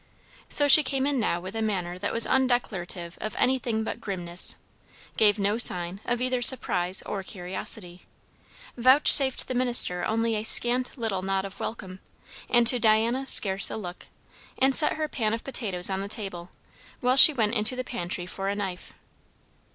So she came in now with a manner that was undeclarative of anything but grimness; gave no sign of either surprise or curiosity; vouchsafed the minister only a scant little nod of welcome, and to Diana scarce a look; and set her pan of potatoes on the table, while she went into the pantry for a knife.